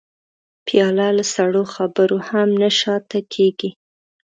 پیاله له سړو خبرو هم نه شا ته کېږي.